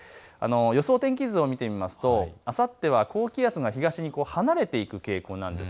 予想天気図を見てみますとあさっては高気圧が東に離れていく傾向です。